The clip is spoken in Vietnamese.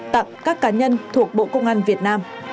tặng các cá nhân thuộc bộ công an việt nam